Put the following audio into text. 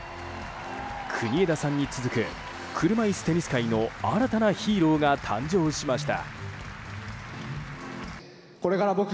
国枝さんに続く車いすテニス界の新たなヒーローが誕生しました。